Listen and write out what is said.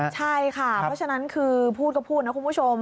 ใช่ค่ะเพราะฉะนั้นคือพูดก็พูดนะคุณผู้ชม